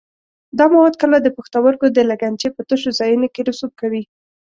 دا مواد کله د پښتورګو د لګنچې په تشو ځایونو کې رسوب کوي.